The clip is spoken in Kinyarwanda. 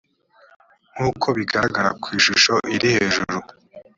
nk uko bigaragara ku ishusho iri hejuru